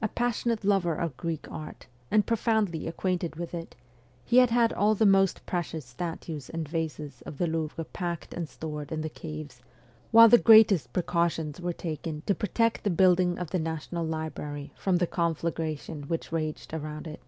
A passionate lover of Greek art, and profoundly acquainted with it, he had had all the most precious statues and vases of the Louvre packed and stored in the caves, while the greatest precautions, were taken 304 MEMOIRS OF A REVOLUTIONIST to protect the building of the National Library from the conflagration which raged round it.